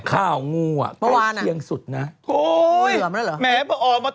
ข่าวงูอะใกล้เคียงสุดนะเมื่อวานอะ